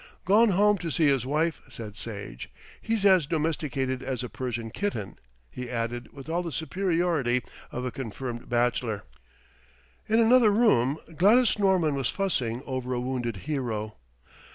"Gone home to see his wife," said Sage. "He's as domesticated as a Persian kitten," he added with all the superiority of a confirmed bachelor. In another room Gladys Norman was fussing over a wounded hero.